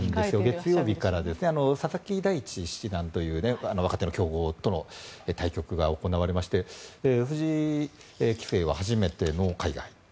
月曜日から佐々木大地七段という若手の強豪との対局が行われまして藤井棋聖は初めての海外。